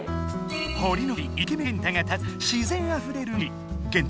ほりのふかいイケメンゲンタが立つのは自然あふれる町。